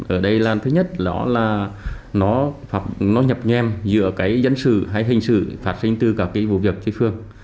ở đây là thứ nhất nó nhập nhem giữa dân sự hay hình sự phát sinh từ các vụ việc chơi phường